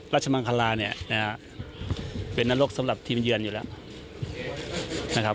รัชมังคลาเป็นนรกสำหรับทีมเยือนอยู่แล้ว